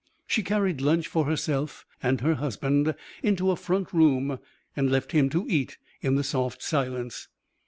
She carried lunch for herself and her husband into a front room and left him to eat in the soft silence.